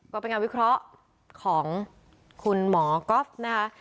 ก็เป็นงานวิเคราะห์ของคุณหมอก๊อฟนะคะ